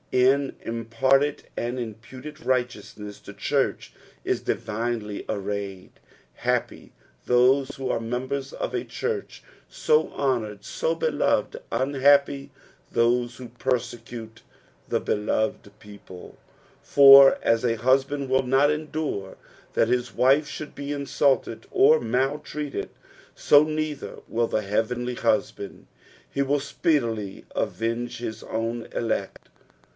In imparted and imputed riffhteousDesB the church ii divinely arrayed. Hap)); those who are members of a church so honoured, so beloved; unhappy those who persecute the beloved people, for as a husband will not endure that his wife should be insulted or maltreated, so neither will the heaveuly Husband ; he will speedily avenge his ovrn elect.